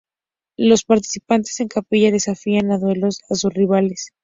Los participantes en capilla desafían a duelos a sus rivales.